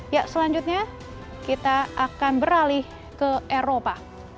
ya selanjutnya kita akan beralih ke eropa